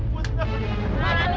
masih ada kecoh